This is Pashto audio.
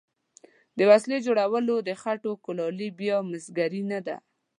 د وسلې جوړول د خټو کولالي یا مسګري نه ده.